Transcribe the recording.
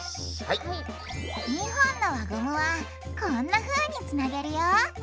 ２本の輪ゴムはこんなふうにつなげるよ。